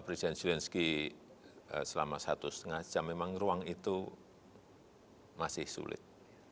presiden zelensky selama satu setengah jam memang ruang itu masih sulit